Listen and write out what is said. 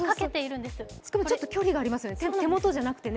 しかもちょっと距離がありますね、手元じゃなくて。